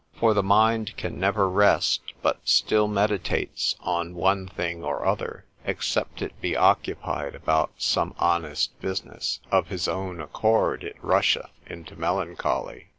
For the mind can never rest, but still meditates on one thing or other, except it be occupied about some honest business, of his own accord it rusheth into melancholy.